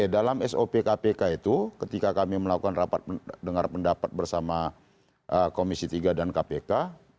dalam sop kpk itu ketika kami melakukan rapat dengar pendapat bersama komisi tiga dan kpk